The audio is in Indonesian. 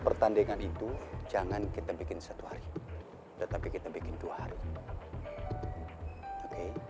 saya melonjak tutti musi skateboard